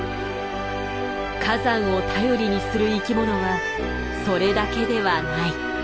火山を頼りにする生きものはそれだけではない。